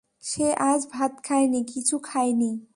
সে আজ ভাত খায়নি, কিছু খায়নি।